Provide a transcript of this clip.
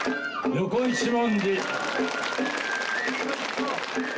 横一文字。